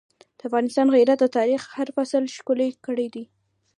د افغان غیرت د تاریخ هر فصل ښکلی کړی دی.